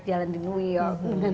jalan di new york